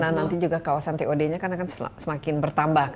nah nanti juga kawasan tod nya kan akan semakin bertambah